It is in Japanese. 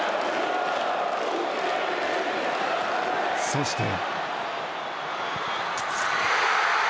そして。